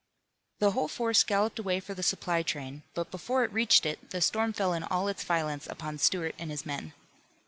The whole force galloped away for the supply train, but before it reached it the storm fell in all its violence upon Stuart and his men.